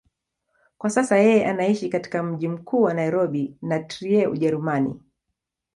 Kwa sasa yeye anaishi katika mji mkuu wa Nairobi na Trier, Ujerumani.